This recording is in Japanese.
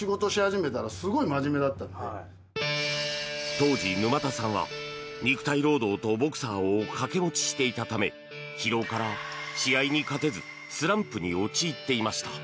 当時、沼田さんは肉体労働とボクサーを掛け持ちしていたため疲労から、試合に勝てずスランプに陥っていました。